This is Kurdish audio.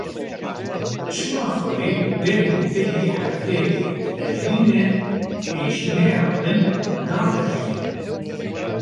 Çima Xwedê deynê te yê hefteyekê dipejirîne, pêşîneya min napejirîne!